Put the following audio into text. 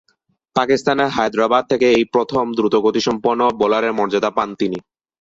পাকিস্তানের হায়দ্রাবাদ থেকে এই প্রথম দ্রুতগতিসম্পন্ন বোলারের মর্যাদা পান তিনি।